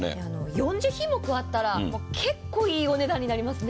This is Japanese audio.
４０品目あったら、結構いいお値段になりますね。